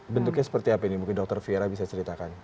bentuknya seperti apa ini mungkin dokter fiera bisa ceritakan